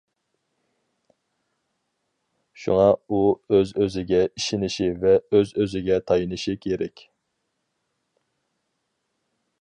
شۇڭا ئۇ ئۆز-ئۆزىگە ئىشىنىشى ۋە ئۆز-ئۆزىگە تايىنىشى كېرەك.